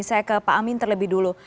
saya ke pak amin terlebih dulu